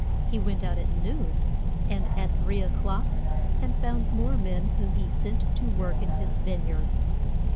He went out at noon, and at three o'clock, and found more men whom he sent to work in his vine yard.